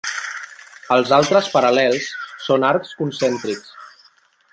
Els altres paral·lels són arcs concèntrics.